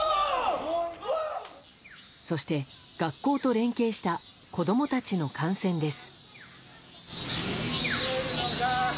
そして、学校と連携した子供たちの観戦です。